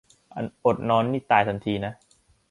อดนอนนี่ตายทันทีนะ